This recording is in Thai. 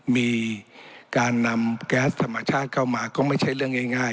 มีการนำแก๊สธรรมชาติเข้ามาก็ไม่ใช่เรื่องง่าย